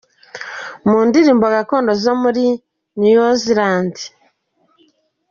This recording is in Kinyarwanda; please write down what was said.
mu ndirimbo gakondo zo muri New Zealand.